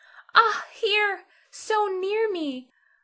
Ah, here! so near me!